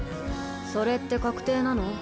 それって確定なの？